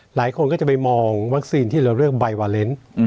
หลายคนก็จะไปมองวัคซีนที่เราเลือกไบวาเลนส์